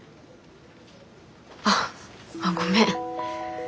あああっごめん。